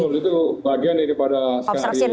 betul itu bagian dari pada sekarang itu